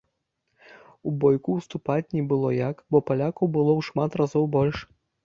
У бойку ўступаць не было як, бо палякаў было ў шмат разоў больш.